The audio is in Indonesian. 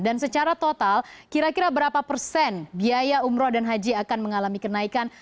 dan secara total kira kira berapa persen biaya umroh dan haji akan mengalami kenaikan